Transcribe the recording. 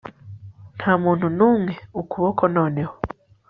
ntamuntu numwe ukuboko noneho